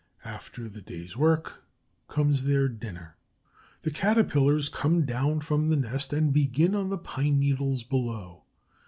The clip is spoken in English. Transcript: After the day's work comes their dinner. The Caterpillars come down from the nest and begin on the pine needles below.